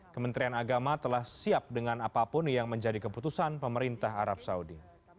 kementerian agama telah siap dengan apapun yang menjadi keputusan pemerintah arab saudi